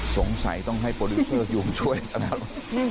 สงสัยต้องให้โปรดิวเซอร์ยุ่งช่วยตอนนี้เลย